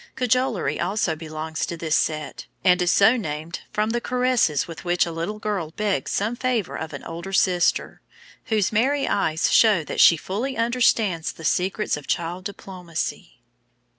Cajolery also belongs to this set, and is so named from the caresses with which a little girl begs some favor of an older sister, whose merry eyes show that she fully understands the secrets of child diplomacy.